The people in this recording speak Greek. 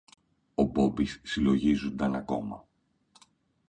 Ο Μπόμπης συλλογίζουνταν ακόμα